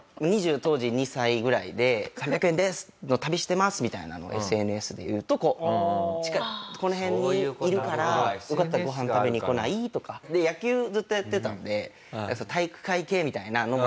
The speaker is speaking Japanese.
２０当時２２歳ぐらいで「３００円の旅してます」みたいなのをＳＮＳで言うとこの辺にいるからよかったらご飯食べに来ない？とか。野球ずっとやってたんで体育会系みたいなのもなんか。